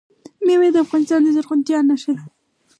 مېوې د افغانستان د زرغونتیا نښه ده.